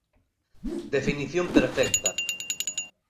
Definición perfecta.